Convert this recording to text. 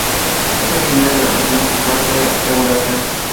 Es originaria de las regiones templadas de Eurasia.